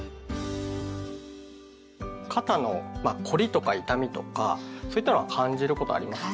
肩のまあ凝りとか痛みとかそういったのは感じることありますか？